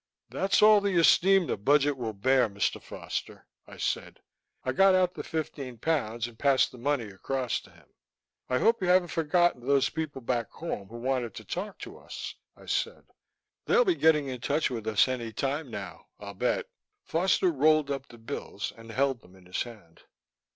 "That's all the esteem the budget will bear, Mr. Foster," I said. I got out the fifteen pounds and passed the money across to him. "I hope you haven't forgotten those people back home who wanted to talk to us," I said. "They'll be getting in touch with us any time now, I'll bet." Foster rolled up the bills and held them in his hand.